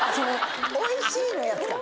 「おいしい」のやつか。